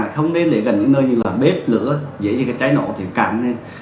không nên để gần những nơi như bếp lửa dễ dàng trái nổ thì càng nên